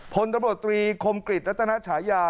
พลตรวจตรีคมกฤทธิ์รัตนชายา